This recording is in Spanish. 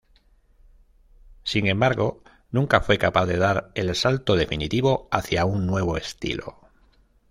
Sin embargo, nunca fue capaz de dar el salto definitivo hacia un nuevo estilo.